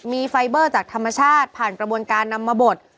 มีไฟเบอร์จากธรรมชาติผ่านกระบวนการนำมาบด